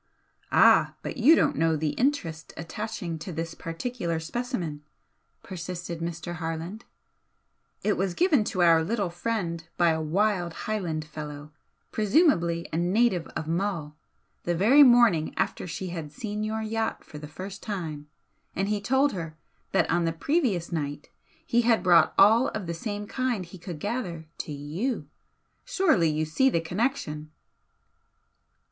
"Ah, but you don't know the interest attaching to this particular specimen!" persisted Mr. Harland "It was given to our little friend by a wild Highland fellow, presumably a native of Mull, the very morning after she had seen your yacht for the first time, and he told her that on the previous night he had brought all of the same kind he could gather to you! Surely you see the connection?"